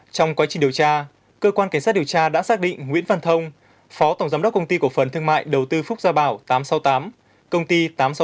trong quá trình điều tra cơ quan cảnh sát điều tra đã xác định nguyễn văn thông phó tổng giám đốc công ty cổ phần thương mại đầu tư phúc gia bảo tám trăm sáu mươi tám công ty tám trăm sáu mươi bảy